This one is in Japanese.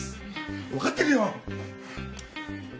わかってるよ！